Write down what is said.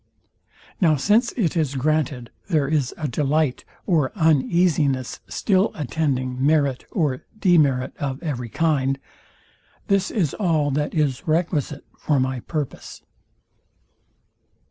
Now since it is granted there is a delight or uneasiness still attending merit or demerit of every kind, this is all that is requisite for my purpose.